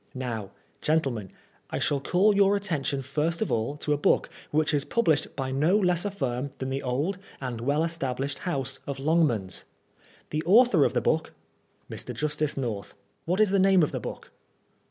Now, gentleman, I shall call your attention first of all to a book which is published by no less a firm than the old and well established house of Longmans. The author of the book Mr. Justice North : What is the name of the book